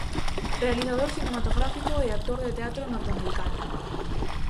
Realizador cinematográfico e actor de teatro norteamericano.